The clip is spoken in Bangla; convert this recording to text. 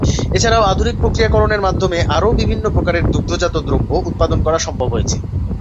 এছাড়াও আধুনিক প্রক্রিয়াকরণের মাধ্যমে আরও বিভিন্ন প্রকারের দুগ্ধজাত দ্রব্য উৎপাদন করা সম্ভব হয়েছে।